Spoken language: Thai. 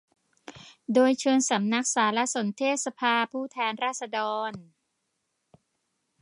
โดยเชิญสำนักสารสนเทศสภาผู้แทนราษฎร